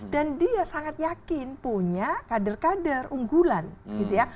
dia sangat yakin punya kader kader unggulan gitu ya